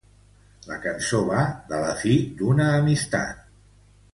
La cançó va de la fi d'una amistat.